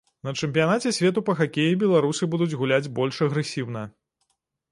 На чэмпіянаце свету па хакеі беларусы будуць гуляць больш агрэсіўна.